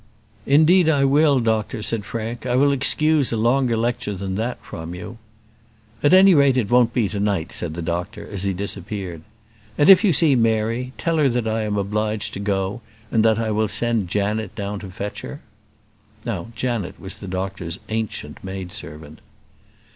"Indeed I will, doctor," said Frank. "I will excuse a longer lecture than that from you." "At any rate it won't be to night," said the doctor, as he disappeared. "And if you see Mary, tell her that I am obliged to go; and that I will send Janet down to fetch her." Now Janet was the doctor's ancient maid servant.